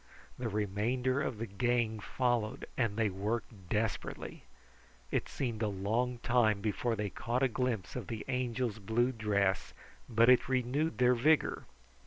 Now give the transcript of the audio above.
The remainder of the gang followed, and they worked desperately. It seemed a long time before they caught a glimpse of the Angel's blue dress, but it renewed their vigor.